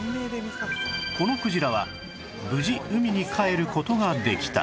このクジラは無事海に帰る事ができた